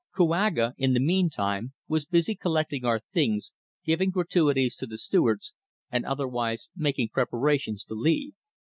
Kouaga, in the meantime, was busy collecting our things, giving gratuities to the stewards, and otherwise making preparations to leave.